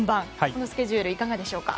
このスケジュールいかがでしょうか。